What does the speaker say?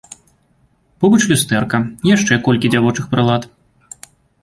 Побач люстэрка, яшчэ колькі дзявочых прылад.